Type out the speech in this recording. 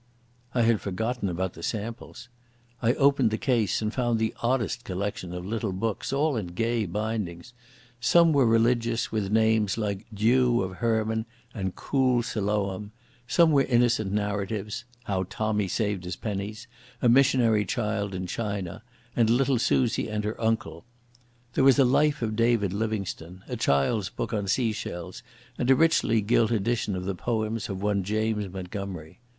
I had forgotten about the samples. I opened the case and found the oddest collection of little books, all in gay bindings. Some were religious, with names like Dew of Hermon and Cool Siloam; some were innocent narratives, How Tommy saved his Pennies, A Missionary Child in China, and Little Susie and her Uncle. There was a Life of David Livingstone, a child's book on sea shells, and a richly gilt edition of the poems of one James Montgomery.